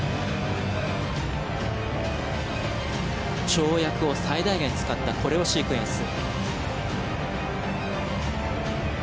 跳躍を最大限使ったコレオシークエンス。